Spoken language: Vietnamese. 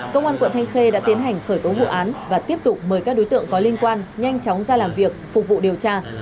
công an quận thanh khê đã tiến hành khởi tố vụ án và tiếp tục mời các đối tượng có liên quan nhanh chóng ra làm việc phục vụ điều tra